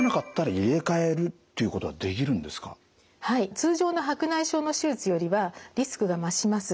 通常の白内障の手術よりはリスクが増します。